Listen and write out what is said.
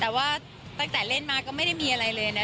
แต่ว่าตั้งแต่เล่นมาก็ไม่ได้มีอะไรเลยนะ